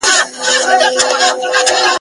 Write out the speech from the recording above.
پردي به ولي ورته راتللای !.